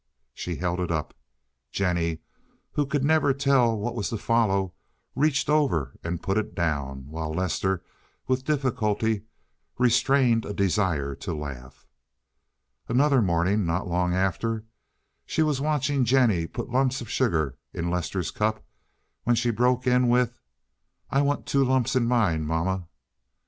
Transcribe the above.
She held it up. Jennie, who never could tell what was to follow, reached over and put it down, while Lester with difficulty restrained a desire to laugh. Another morning, not long after, she was watching Jennie put the lumps of sugar in Lester's cup, when she broke in with, "I want two lumps in mine, mamma."